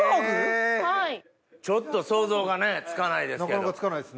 ちょっと想像がねつかないですけれど。